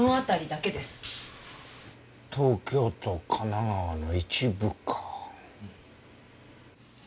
東京と神奈川の一部か。